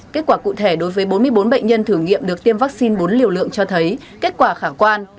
kết quả cụ thể đối với bốn mươi bốn bệnh nhân thử nghiệm được tiêm vaccine bốn liều lượng cho thấy kết quả khả quan